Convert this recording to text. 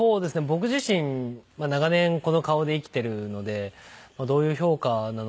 僕自身長年この顔で生きてるのでどういう評価なのか。